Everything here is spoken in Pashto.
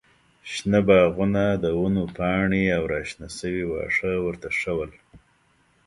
شنه باغونه، د ونو پاڼې او راشنه شوي واښه ورته ښه ول.